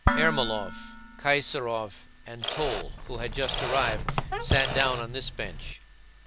Ermólov, Kaysárov, and Toll, who had just arrived, sat down on this bench.